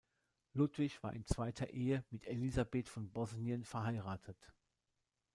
Ludwig war in zweiter Ehe mit Elisabeth von Bosnien verheiratet.